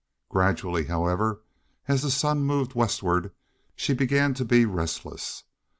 Gradually, however, as the sun moved westward, she began to be restless.